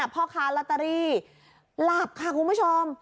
พ่อค้าลอตเตอรี่หลับค่ะคุณผู้ชม